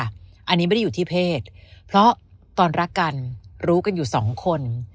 อันนี้ไม่ได้อยู่ที่เพศเพราะตอนรักกันรู้กันอยู่สองคน